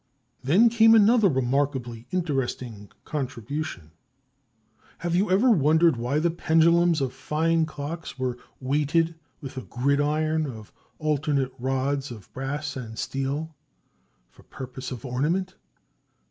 Then came another remarkably interesting contribution. Have you ever wondered why the pendulums of fine clocks were weighted with a gridiron of alternate rods of brass and steel? For purpose of ornament?